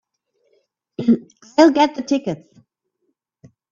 I'll get the tickets.